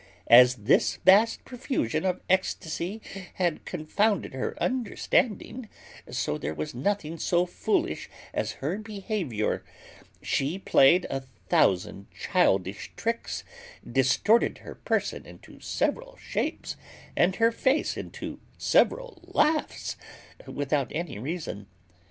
As this vast profusion of ecstasy had confounded her understanding, so there was nothing so foolish as her behaviour: she played a thousand childish tricks, distorted her person into several shapes, and her face into several laughs, without any reason.